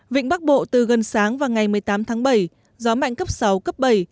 vịnh bắc bộ từ gần sáng và ngày một mươi tám tháng bảy gió mạnh cấp sáu cấp bảy